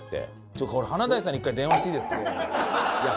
ちょっとこれ華大さんに一回電話していいですか？